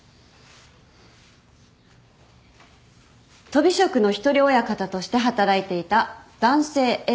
とび職の一人親方として働いていた男性Ａ